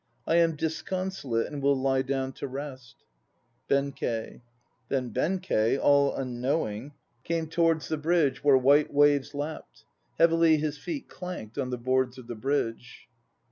I am disconsolate and will lie down to rest. 84 THE NO PLAYS OF JAPAN Came towards the Bridge where white waves lapped. Heavily his feet clanked on the boards of the Bridge.